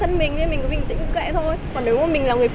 thôi thôi em bơi thôi em bơi thôi